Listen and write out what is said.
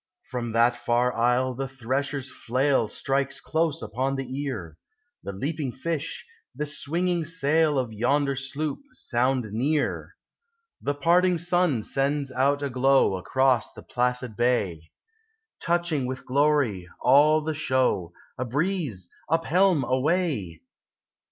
From that far isle the thresher's flail Strikes close upon the ear; The leaping fish, the swinging sail Of vonder sloop, sound near. The parting sun sends out a glow Across the placid bay, Touching with glory all the show. — A breeze! Up helm! A way!